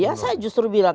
iya saya justru bilang